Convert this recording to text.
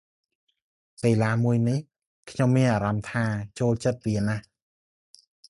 កីឡាមួយនេះ ខ្ញុំមានអារម្មណ៏ថា ចូលចិត្តវាណាស់ ។